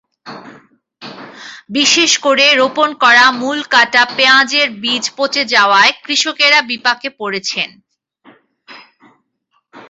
বিশেষ করে রোপণ করা মূলকাটা পেঁয়াজের বীজ পচে যাওয়ায় কৃষকেরা বিপাকে পড়েছেন।